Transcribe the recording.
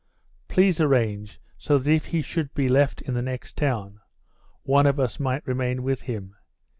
Please arrange so that if he should be left in the next town, one of us might remain with him.